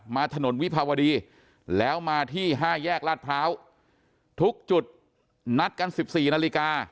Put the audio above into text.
ถนนวิภาวดีแล้วมาที่๕แยกลาดพร้าวทุกจุดนัดกัน๑๔นาฬิกา